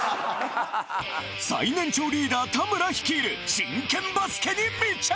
最年長リーダー・田村率いる真剣バスケに密着！